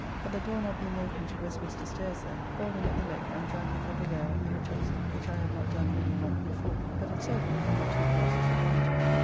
But the door not being open to Westminster stairs there, called in at the Legg and drank a cup of ale and a toast, which I have not done many a month before, but it served me for my two glasses of wine to day.